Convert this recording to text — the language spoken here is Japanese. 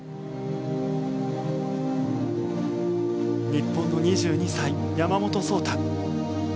日本の２２歳、山本草太。